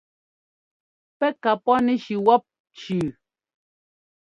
Pɛ́ ka pɔ́nɛshi wɔ́p cʉʉ.